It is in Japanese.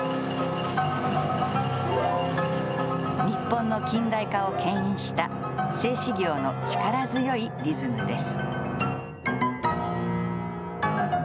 日本の近代化をけん引した製糸業の力強いリズムです。